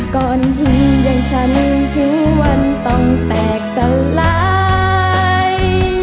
ก่อนหินอย่างชาวนึงทุกวันต้องแตกสลาย